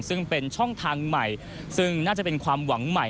ซึ่งเป็นช่องทางใหม่ซึ่งน่าจะเป็นความหวังใหม่